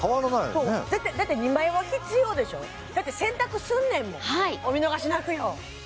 そう絶対だって２枚は必要でしょだって洗濯すんねんもんお見逃しなくよ